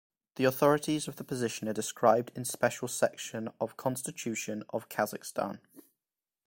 The authorities of this position are described in special section of Constitution of Kazakhstan.